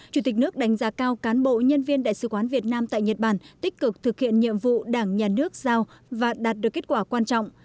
chủ tịch nước đánh giá cao cán bộ nhân viên đại sứ quán việt nam tại nhật bản tích cực thực hiện nhiệm vụ đảng nhà nước giao và đạt được kết quả quan trọng